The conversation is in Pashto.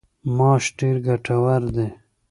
ماش ډیر ګټور دي.